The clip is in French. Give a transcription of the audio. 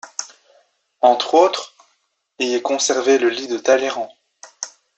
Entre autres, y est conservé le lit de Talleyrand.